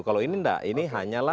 kalau ini enggak ini hanyalah